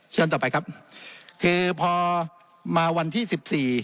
เชิญต่อไปครับคือพอมาวันที่๑๔